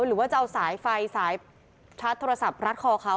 หรือว่าจะเอาสายไฟสายชาร์จโทรศัพท์รัดคอเขา